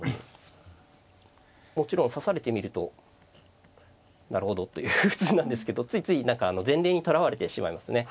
もちろん指されてみるとなるほどという普通なんですけどついつい何か前例にとらわれてしまいますね。